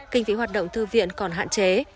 kinh phí hoạt động thư viện còn hạn chế